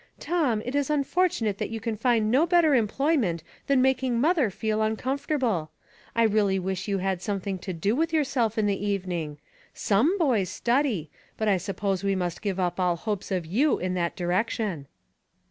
Tom, it is unfortunate that you can find no better em ployment than making mother feel uncomforta ble. I really wish you had something to do with yourself in the evening. Some boys study, but I suppose we must give up all hopes of you in that direction."